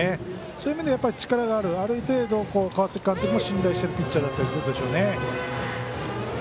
そういう意味では力があるある程度、川崎監督も信頼しているピッチャーだということでしょう。